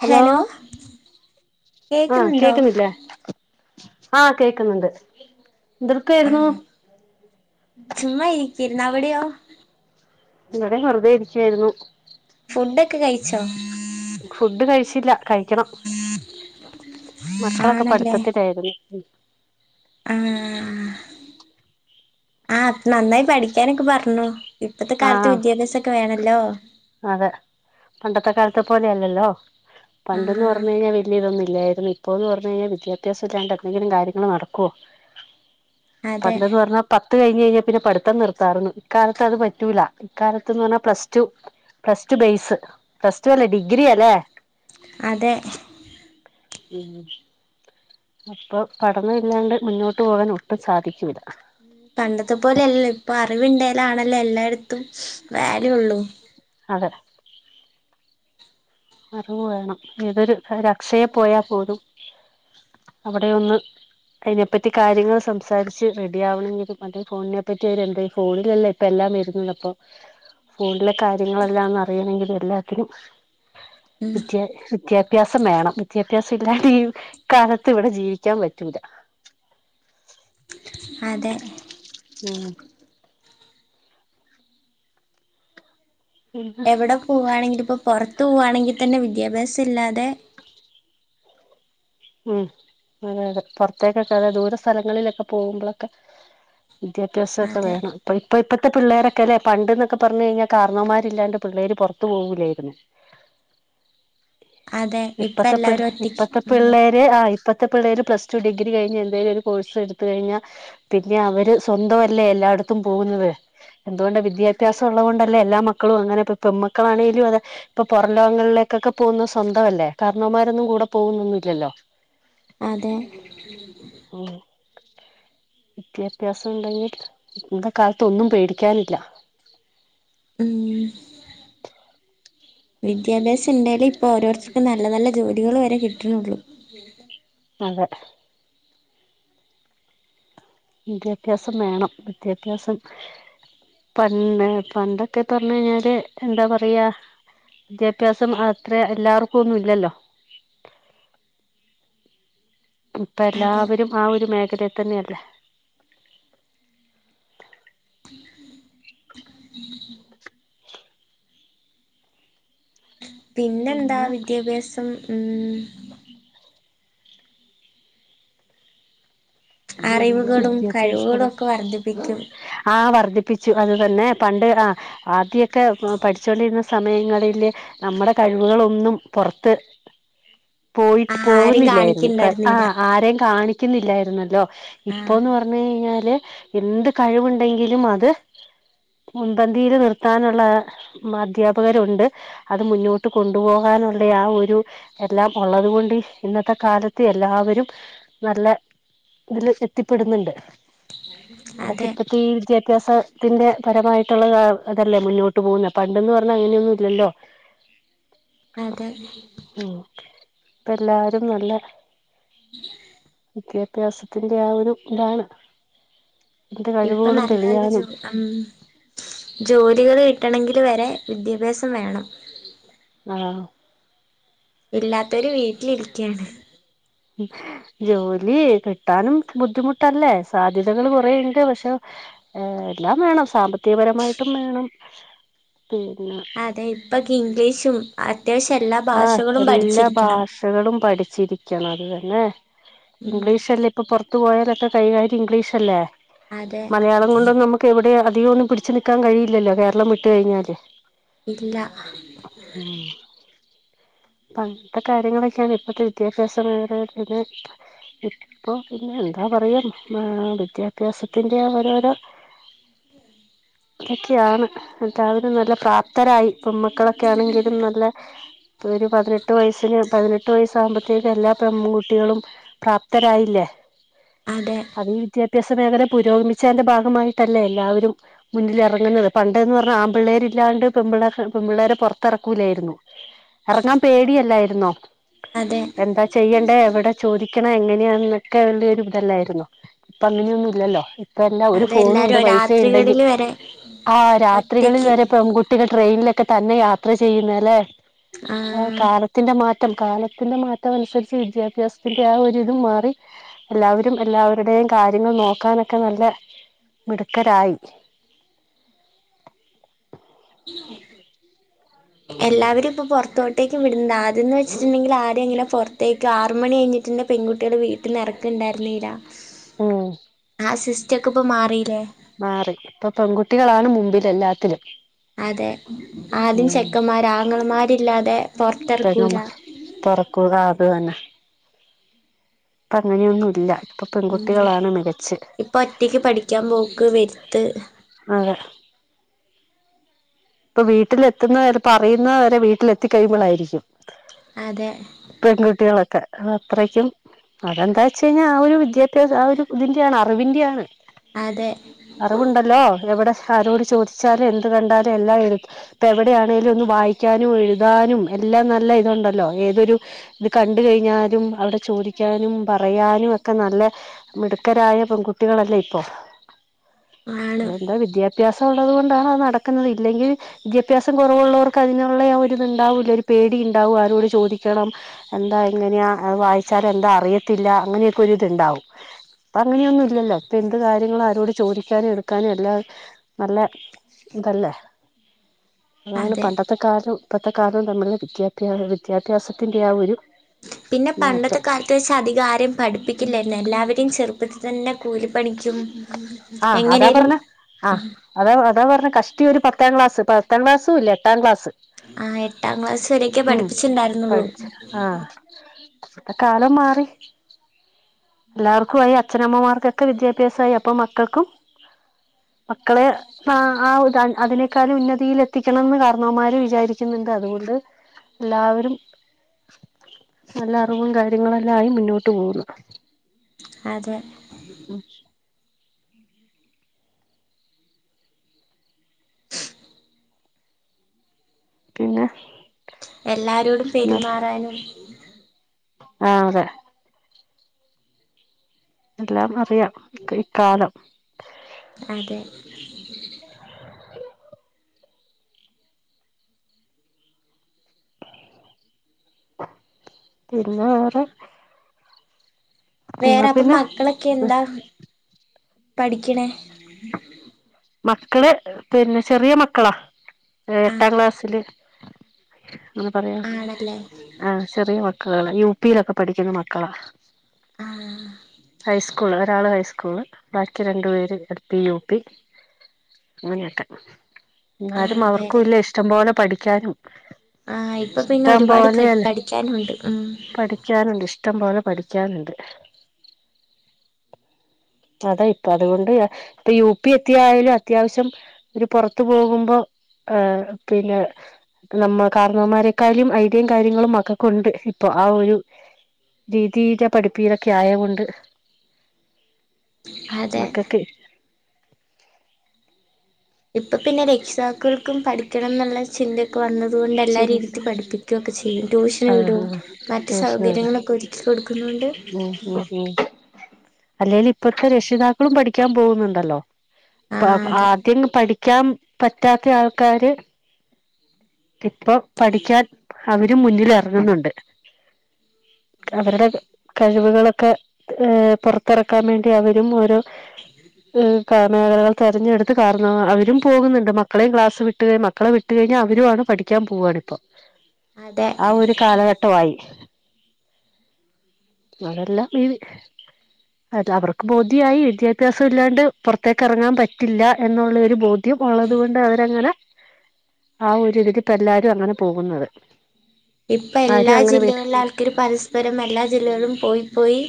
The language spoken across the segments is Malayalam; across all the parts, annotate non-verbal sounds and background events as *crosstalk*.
ഹലോ ആഹ് കേക്കുന്നുണ്ടോ കേക്കുന്നില്ലേ ആഹ് കേക്കുന്ന്ണ്ട് ആഹ് ചുമ്മാ ഇരിക്കിരുന്ന് അവിടെയോ ഇവിടെം വെറുതെ ഇരിക്കുവാരുന്നു ഫുഡ്ക് ക്കെ കഴിച്ചോ ഫുഡ് കഴിച്ചില്ല കഴിക്കണം മക്കളൊക്കെ ആണല്ലേ പഠിത്തത്തിലാരുന്നു ഉം ആഹ് ആഹ് നന്നായി പഠിക്കാനൊക്കെ പറഞ്ഞൊ ഇപ്പത്തെ കാലത്ത് ആഹ് വിദ്യാഭ്യാസംക്കെ വേണല്ലോ അതെ പണ്ടത്തെ കാലത്തെ പോലെയല്ലല്ലോ ആ പണ്ടെന്ന്ന്ന് പറഞ്ഞു കഴിഞ്ഞാൽ വലിയ ഇതൊന്നുമില്ലായിരുന്നു ഇപ്പ എന്ന് പറഞ്ഞു കഴിഞ്ഞാൽ വിദ്യാഭ്യാസംല്ലാണ്ട് എന്തെങ്കിലും കാര്യങ്ങൾ നടക്കുവോ അതെ പണ്ടെന്ന് പറഞ്ഞാ പത്ത് കഴിഞ്ഞ് കഴിഞ്ഞാൽ പിന്നെ പഠിത്തം നിർത്താരുന്നു ഇക്കാലത്ത് അത് പറ്റൂല്ല ഇക്കാലത്ത്ന്ന് പറഞ്ഞാൽ plus two plus two base plus two അല്ലേ ഡിഗ്രി അല്ലേ അതെ ഉം അപ്പൊ പഠന ഇല്ലാണ്ട് മുന്നോട്ട് പോകാൻ ഒട്ടും സാധിക്കൂല്ല പണ്ടത്തെ പോലെല്ല ഇപ്പൊ അറിവ്ണ്ടായലാണല്ലോ എല്ലായിടത്തും വാല്യൂ ഉള്ളു അതെ അറിവു വേണം ഏതൊരു അക്ഷയെ പോയാൽ പോലും അവിടെ ഒന്ന് അതിനെപ്പറ്റി കാര്യങ്ങൾ സംസാരിച്ച് റെഡി ആവണെങ്കിലും അതേ ഫോണിനെപ്പറ്റി അവര് എന്ത ഫോണിലല്ല ഇപ്പ എല്ലാം വരുന്നുണ്ട് അപ്പൊ ഫോണിലെ കാര്യങ്ങളെല്ലാംന്ന് അറിയണമെങ്കിൽ എല്ലാത്തിനും ഉം വിദ്യ വിദ്യാഭ്യാസം വേണം വിദ്യാഭ്യാസം ഇല്ലാത ഈ കാലത്ത് ഇവിടെ ജീവിക്കാൻ പറ്റൂല്ല അതെ ഉം പിന്നെ എവിടെ പോകുവാണെങ്കിലും ഇപ്പോ പുറത്ത് പോവാണെങ്കിൽ തന്നെ വിദ്യാഭ്യാസം ഇല്ലാതെ ഉം അതെ അതെ പുറത്തേക്കൊക്കെ അത ദൂര സ്ഥലങ്ങളിലൊക്കെ പോകുമ്പോഴൊക്കെ വിദ്യാഭ്യാസമൊക്കെ അതെ വേണം അപ്പൾ ഇപ്പോ ഇപ്പോഴത്തെ പിള്ളേൊക്ക അല്ലേ പണ്ടെന്നൊക്കെ പറഞ്ഞ കഴിഞ്ഞാൽ കാരണവമാരില്ലാണ്ട് പിള്ളേര് പുറത്ത് പോകൂല്ലായിരുന്നു അതെ ഇപ്പ ഇപ്പത്തെ എല്ലാരും ഒറ്റക്ക് ഇപ്പത്തെ ഉം പിള്ളേ ആ ഇപ്പത്തെ പിള്ളേര് പ്ലസ്ടു ഡിഗ്രി കഴിഞ്ഞു എന്തേലും ഒരു കോഴ്സ് എടുത്തു കഴിഞ്ഞാൽ പിന്നെ അവര് സ്വന്ത അല്ലേ എല്ലായിടത്തും പോകുന്നത് എന്തുകൊണ്ട് വിദ്യാഭാസം ഉള്ളത് കൊണ്ടല്ലേ എല്ലാ മക്കളും അങ്ങനെപ്പ പെൺമക്കളാണെങ്കലും അത് ഇപ്പൊ പുറം ലോകങ്ങളിലേക്കൊക്കെ പോകുന്ന സ്വന്തം അല്ലേ കാരണവമാരൊന്നും കൂടെ പോകുന്നൊന്നുമല്ലല്ലോ അതെ ഉം വിദ്യാഭ്യാസം ഉണ്ടെങ്കിൽ ഇ കാലത്ത് ഒന്നും പേടിക്കാനില്ല ഉം വിദ്യാഭ്യാസം ഉണ്ടായാലെ ഇപ്പോൾ ഓരോരുത്തർക്കും നല്ല നല്ല ജോലികൾ വരെ കിട്ടുന്നുള്ളു അതെ വിദ്യാഭ്യാസം വേണം വിദ്യാഭ്യാസം പൺ, പണ്ടൊക്കെ പറഞ്ഞു കഴിഞ്ഞാല് എന്താ പറയാ? വിദ്യാഭ്യാസം. അത്ര, എല്ലാവർക്കും ഒന്നും ഇല്ലല്ലോ? ഇപ്പ, അതെ എല്ലാവരും ആ ഒരു മേഖലി തന്നെയല്ലേ? പിന്നെന്താ, പിന്നെ വിദ്യാഭ്യാസം. ഉം അറിവുകളും വിദ്യാഭ്യാസം. കഴിവുകളും ഒക്കെ വർദ്ധിപ്പിക്കും ആ, വർധിപ്പ പ്പിച്ചു. അത് തന്നെ, പണ്ട് ആഹ്, ആദ്യക്കെ പഠിച്ചുകൊണ്ടിരുന്ന സമയങ്ങളില്, നമ്മുടെ കഴിവുകളൊ ന്നും പൊർത്ത്. ആ പോയിട്ട് ആരും പോകുന്നില്ലായിരുന്നു. കാണിക്കണ്ടായിരുന്നില്ല ആഹ്, ആരെയും കാണിക്കുന്നില്ലായിരുന്നല്ലോ? ആഹ് ഇപ്പോന്ന് പറഞ്ഞ് കഴിഞ്ഞാല്, എന്ത് കഴിവുണ്ടെങ്കിലും അത്. മുൻപന്തിയില് നിർത്താനുള്ള അധ്യാപകരുണ്ട്. അത്, മുന്നോട്ട് കൊണ്ടുപോകാനുള്ളെ ആഹ്, ഒരു. എല്ലാം, ഉള്ളത് കൊണ്ട് ഇന്നത്തെ കാലത്ത് എല്ലാവരും നല്ല തില്... എത്തിപ്പെടുന്നുണ്ട്. *inaudible* *unintelligible* ഇപ്പത്തെ ഈ വിദ്യാഭ്യാ സത്തിന്റെ പരമായിട്ടുള്ള അതല്ലേ മുന്നോട്ട് പോകുന്ന. പണ്ട് ന്ന് പറഞ്ഞാ അങ്ങനെന്നും ഇല്ലല്ലോ? അതെ. ഇപ്പ, എല്ലാരും നല്ല വിദ്യാഭ്യാസത്തിന്. ആഹ്, ഒരു താണ്. ഇപ്പം, നല്ല, നല്ല, ജോ തെളിയാനും അം. ജോലികള് കിട്ടണങ്കിൽ വരെ വിദ്യാഭ്യാസം വേണം. ആഹ്. ഇല്ലാത്തവര് വീട്ടിലിരിക്യാണ്. ജോലിയേ കിട്ടാനും ബുദ്ധിമുട്ടല്ലേ? സാധ്യതകൾ കൊറേണ്ട്. പക്ഷേ. ഏ, എല്ലാം വേണം. സാമ്പത്തികപരമായിട്ടും വേണം. പിന്നെ.. അതെ, ഇപ്പക്കെ ഇംഗ്ലീഷും അത്യാവശ്യം എല്ലാ ഭാഷകളും പഠിച്ചിരിക്കണം. കളും പഠിച്ചിരിക്കണം. അത് തന്നെ ഉം ഇംഗ്ലീഷ് അല്ലെ. ഇപ്പ, പൊറത്ത് പോയാലൊക്കെ കൈകാര്യം ഇംഗ്ലീഷ് അല്ലേ? അതെ മലയാളം കൊണ്ടൊന്നും നമുക്ക്. ഇപ്പ, എവിടെ അധികം ഒന്നും പിടിച്ച് നിക്കാൻ കഴിയില്ലല്ലോ? കേരളം വിട്ട് കഴിഞ്ഞാല്. ഇല്ല. ഉം. പണ്ടത്തെ, കാര്യങ്ങളൊക്കെ യാണ്. ഇപ്പത്തെ വിദ്യാഭ്യാസ മേഖലകളില്. പ്പോ, പിന്നെ, എന്താ പറയാ, മ വിദ്യാഭ്യാസത്തിന്റെ ഓരോരോ. *inaudible* ഇതൊക്കെയാണ്. എല്ലാവരും നല്ല പ്രാപ്തരായി. പെൺ മക്കളൊക്കെ ആണെങ്കിലും നല്ല. ഇപ്പ, ഒരു പതിനെട്ട് വയസ്സിന് പതിനെട്ട് വയസ്സാകുമ്പോത്തേക്ക്. എല്ലാ പെൺകുട്ടികളും. പ്രാപ്തരായില്ലേ അതെ അതീ വിദ്യാ വിഭ്യാസ മേഖല പുരോഗമിചെന്റെ, ഭാഗമായിട്ടല്ലേ എല്ലാവരും. മുന്നില് എറങ്ങുന്നത്. പണ്ട് എന്ന് പറഞ്ഞാ, ആമ്പിള്ളേര് ഇല്ലാണ്ട് പെൺപിള്ളാരെ പെൺ പിള്ളാരെ പൊറത്തറക്കൂലായിരുന്നു. എർങ്ങാൻ പേടിയല്ലായിരുന്നോ? അതെ.. എന്താ ചെയ്യണ്ടേ.. എവിടെ ചോദിക്കണ എങ്ങനെയാ, എന്നൊക്കെ തൊരു ഇതല്ലായിരുന്നോ? ഇപ്പ, അങ്ങനെയൊന്നും ഇല്ലല്ലോ. ഇപ്പ എല്ലാം ഒരു ഫോണും ഉണ്ട്. അതെല്ലാരും പൈസ ഇണ്ടെങ്കിൽ. രാത്രികളില് വരെ ആഹ്, രാത്രികളിൽ ഒറ്റക്ക് വരെ പെൺകുട്ടികൾ ട്രെയിനിലൊക്കെ തന്നെ യാത്ര ചെയ്യുന്ന ലെ.... ആ ആഹ്, കാലത്തിന്റെ മാറ്റം കാലത്തിന്റെ മാറ്റം അനുസരിച്ച് വിദ്യാഭ്യാസത്തിന്റെ ആ ഒരിതും മാറി. എല്ലാവരും, എല്ലാവരുടെയും കാര്യങ്ങൾ നോക്കാനൊക്കെ നല്ല മിടുക്കരായി. *inaudible* എല്ലാവരും ഇപ്പോ പൊറത്തോട്ടേക്കും വിട്ന്ന് ആദ്യം വച്ചിട്ടുണ്ടെങ്കിൽ ആരും ഇങ്ങനെ പുറത്തേക്ക്, ആറ് മണി കഴിഞ്ഞ്. ന്റെ പെൺ കുട്ടികള് വീട്ട്ന്ന് എറക്ക്ണ്ടായിരു ന്നില്ല. ഉം ആഹ് സിസ്റ്റം ഒക്കെ ഇപ്പം മാറീലെ മാറി ഇപ്പം പെൺകുട്ടികളാണ് മുമ്പിൽ എല്ലാത്തിലും അതെ ആദ്യം ഉം ചെക്കന്മാര് ആങ്ങളമാരില്ലാതെ തരുമ പുറത്തിറക്കൂല തൊറക്കുക അത് തന്നെ ഇപ്പൊ അങ്ങനെയൊന്നും ഇല്ല ഉം ഇപ്പൊ ഒറ്റയ്ക്ക് പഠിക്കാൻ പോക്ക് വരുത്ത് അതെ ഇപ്പം വീട്ടിലെത്തുന്നത് പറയുന്നവരെ വീട്ടില് എത്തി കഴിയുമ്പോളായിരിക്കും അതെ പെൺകുട്ടികളൊക്കെ അത്രക്കും അതെന്താ വെച്ച് കഴിഞ്ഞാൽ ആഹ് ഒരു വിദ്യാഭ്യാസം ആഹ് ഒരു ഇതിന്റെ ആണ് അറിവിന്റെയാണ് അതെ അറിവുണ്ടല്ലോ എവിടെ ആരോട് ചോദിച്ചാലും എന്ത് കണ്ടാലും എല്ലാം എ ഇപ്പൊ എവിടെയാണേലും ഒന്ന് വായിക്കാനും എഴുതാനും എല്ലാം നല്ല ഇതുണ്ടല്ലോ ഏതൊരു ഇത് കണ്ട് കഴിഞ്ഞാലും അവിടെ ചോദിക്കാനും പറയാനും ഒക്കെ നല്ലേ മിടുക്കരായ പെൺകുട്ടികളല്ലേ ഇപ്പോൾ ആണ് അതെന്താ വിദ്യാഭ്യാസം ഉള്ളത് കൊണ്ടാണ് അത് നടക്കുന്നത് ഇല്ലെങ്കിൽ വിദ്യാഭ്യാസം കുറവുള്ളവർക്ക് അതിനുള്ള ഒരു ഇത്ണ്ടാവൂല്ലേ ഒരു പേടി ഉണ്ടാവും ആരോട് ചോദിക്കണം എന്താ എങ്ങനെയാ വായിച്ചാൽ എന്താ അറിയത്തില്ല അങ്ങനെയൊക്കെ ഒരിതുണ്ടാവും ഇപ്പൊ അങ്ങനെയൊന്നും ഇല്ലല്ലോ ഇപ്പൊ എന്ത് കാര്യങ്ങളും ആരോട് ചോദിക്കാനും എടുക്കാനും എല്ലാം നല്ല ഇതല്ലേ അതാണ് അതെ പണ്ടത്തെ കാലോം ഇപ്പത്തെ കാലോം തമ്മീലുള്ള വിദ്യാഭ്യാ വിദ്യാഭ്യാസത്തിന്റെ ആഹ് ഒരു പിന്നെ പണ്ടത്തെ മാറ്റം കാലത്ത് വെച്ച അധികാരെയും പഠിപ്പിക്കില്ലാരുന്നു എല്ലാവരെയും ചെറുപ്പത്തിൽ തന്നെ കൂലിപ്പണിക്കും എങ്ങനേലും അതെ അതാ പറഞ്ഞെ കഷ്ടി ഒരു പത്താം ക്ലാസ് പത്താം ക്ലാസും ഇല്ല എട്ടാം ക്ലാസ് ആ എട്ടാം ക്ലാസ് വരെയൊക്കെ ഉം പഠിപ്പിച്ചിണ്ടായിരുന്നുള്ളൂ പഠിച്ച് ആഹ് ഇന്നത്തെ കാലം മാറി എല്ലാവർക്കും ആയി അച്ഛനമ്മമാർക്കൊക്കെ വിദ്യാഭ്യാസമായി ഇപ്പം മക്കൾക്കും മക്കളെ ആഹ് ആഹ് അതിനേക്കാളും ഉന്നതീയിൽ എത്തിക്കണംന്ന് കാരണവന്മാര് വിചാരിക്കുന്നുണ്ട് അതുകൊണ്ട് എല്ലാവരും നല്ല അറിവും കാര്യങ്ങളുമെല്ലാം ആയി മുന്നോട്ട് പോകുന്നു അതെ മ് ഉ *inaudible* പിന്നെ എല്ലാരോടും പെരുമാറാനും ആഹ് അതെ എല്ലാം അറിയാം ഒക്കെ ഇക്കാലം അതെ *inaudible* പിന്നെ വേറെ എന്നാ വേറെ അപ്പൊ പിന്നെ മക്കളൊക്കെ എന്താ പഠിക്കണേ മക്കള് പിന്നെ ചെറിയ മക്കളാ ആ എട്ടാം ക്ലാസ്സില് അങ്ങനെ പറയാ ആണല്ലേ ആഹ് ചെറിയ മക്കള്കളാ യു പിയിലൊക്കെ പഠിക്കുന്ന മക്കളാ ആ ഹൈസ്കൂള് ഒരാള് ഹൈസ്കൂള് ബാക്കി രണ്ടു പേര് എൽ പി യു പി അങ്ങനെയൊക്കെ ആ എന്നാലും അവർക്കുമില്ലേ ഇഷ്ടം പോലെ പഠിക്കാനും ആഹ് ഇപ്പൊ പിന്നെ ഇഷ്ടം ഒരുപാട് ക പോലെയല്ല പഠിക്കാനുണ്ട് ഉം പഠിക്കാനുണ്ട് ഇഷ്ടംപോലെ പഠിക്കാനുണ്ട് അതെ യ് പ്പ അതൊണ്ട് പ്പൊ യു പി എത്തിയാലും അത്യാവശ്യം പുറത്ത് പോകുമ്പോ ഹ പിന്നെ നമ്മ കാർണവന്മാരെക്കാളും ഐഡിയയും കാര്യങ്ങളും മക്കകൊണ്ട് പ്പൊ ആ ഒരു രീതിയില് പഠിപ്പിതൊക്കെ ആയ കൊണ്ട് അതെ *unintelligible* ഇപ്പൊ പിന്നെ രക്ഷിതാക്കൾക്കും പഠിക്കണം ന്നുള്ള ചിന്തയൊക്കെ വന്നത് കൊണ്ട് എല്ലാരിം ഇരുത്തി പഠിപ്പിക്കും ഫ്രീട്യൂഷനും ആഹ് ഉണ്ട് ആഹ് മറ്റ് സൗകര്യങ്ങളൊക്കെ ഒരുക്കി കൊടുക്കുന്നുണ്ട് ഉ ഉ ഉ അല്ലേലും ഇപ്പഴത്തെ രക്ഷിതാക്കളും പഠിക്കാൻ പോകുന്നുണ്ടല്ലോ ആ അ അതെ ആദ്യം പഠിക്കാൻ പറ്റാത്ത ആൾക്കാര് പ്പൊ പഠിക്കാൻ അവരും മുന്നിലിറങ്ങുന്നുണ്ട് അവരുടെട കഴിവുകളൊക്കെ ഏപൊറത്ത്റക്കാൻ വേണ്ടി അവരും ഓരോ കാരണവരെ തെരഞ്ഞെടുത്ത് കാരണ അവരും പോകുന്നുണ്ട് മക്കളെയും ക്ലാസ് വിട്ടുകയും മക്കളെ വി ട്ടു കഴിഞ്ഞാൽ അവരു ആണ് പഠിക്കാൻ പോവണിപ്പൊ അതെ ആ ഒരു കാലഘട്ടമായി അതെല്ലാം നീത് *unintelligible* അ ത അവർക്ക് ബോധ്യയായി വിദ്യാഭ്യാസം ഇല്ലാണ്ട് പുറത്തേക്ക് എ റങ്ങാൻ പറ്റില്ല എന്നുള്ള ഒരു ബോധ്യ ധ്യം അതെ ഉള്ളത് കൊണ്ട് അവരങ്ങനെ ആ ഒരു ഇതിലിപ്പ എല്ലാരും അങ്ങനെ പോകുന്നത് ഇപ്പൊ എല്ലാ ആരും അങ്ങനെ വീട്ട ജില്ലകളിലെൾക്കാര് പരസ്പരം എല്ലാ ജില്ലകളും പോയി പോയി.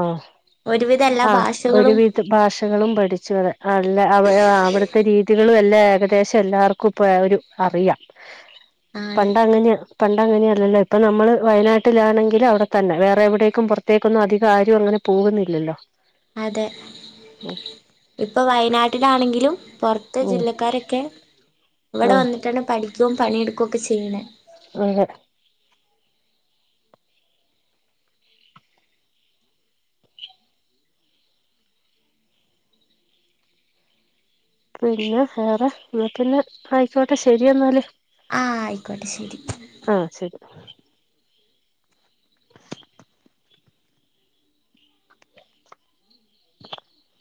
ആഹ് ഒരുവിധ ആഹ് എല്ലാഭാഷകളും. ഒരുവിധ ഭാഷകളും പഠിച്ചു അല്ല ആ അവിടുത്തെ രീതികളും എല്ലെ ഏകദേശം എല്ലാർ. കുപ്പേ ഒരു അറിയാം ആണ് പണ്ടങ്ങനെ. പണ്ട് അങ്ങനെയലല്ലോപ്പ നമ്മള് വയനാട്ടിലാണെങ്കിൽ അവിടെതന്നെ വേറെ എവിടേക്കും പൊറത്തേക്കൊന്നും അധി. പ്പാരും അങ്ങനെ പോവുന്നില്ലല്ലോ. അതെ ഇപ്പൊ വയനാട്ടിലാണെങ്കിലും പൊർ. ത്തെ ഉം ജില്ലക്കാരൊക്കെ ഇവിടെ ആഹ് വന്നിട്ടാണ് പഠിക്കും പണിയെടുക്കൊക്കെ ചെയ്യണ. ആതെ. പിന്നെ വേറെ ന്ന പിന്നെ ആയിക്കോട്ടെ ശരി എ ന്നാല്. ആ ആയിക്കോട്ടെ ശെരി. ആഹ ശരി. ശെരി *inaudible*